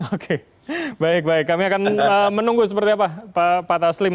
oke baik baik kami akan menunggu seperti apa pak taslim